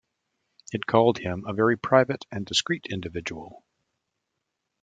It called him a very private and discreet individual.